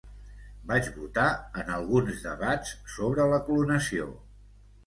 Vaig votar en alguns debats sobre la clonació.